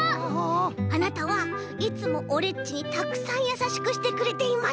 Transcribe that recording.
あなたはいつもオレっちにたくさんやさしくしてくれています。